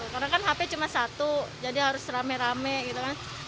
karena kan hp cuma satu jadi harus rame rame gitu kan